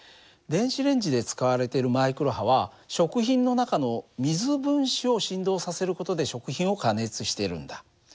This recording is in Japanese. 電子レンジで使われてるマイクロ波は食品の中の水分子を振動させる事で食品を加熱してるんだ。